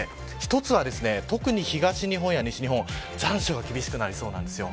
１つは特に東日本や西日本残暑が厳しくなりそうです。